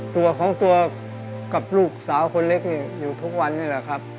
ตัวของตัวกับลูกสาวคนเล็กนี่อยู่ทุกวันนี้แหละครับ